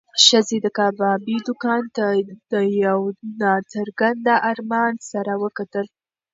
ښځې د کبابي دوکان ته د یو نا څرګند ارمان سره وکتل.